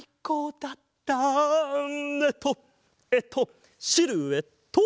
えっとえっとシルエット！